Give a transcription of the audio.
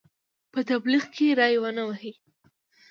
په تبلیغ کې ری ونه وهي.